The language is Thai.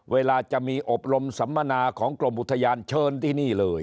เวลาจะมีอบรมสัมมนาของกรมอุทยานเชิญที่นี่เลย